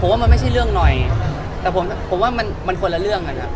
ผมว่ามันไม่ใช่เรื่องนอยแต่ผมว่ามันคนละเรื่อง